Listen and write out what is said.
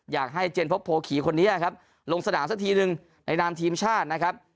อยากให้เจนพบโผล่ขีคนนี้ลงสนามสัดทีหนึ่งในนามทีมชาตินะครับ